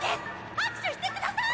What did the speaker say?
握手してください！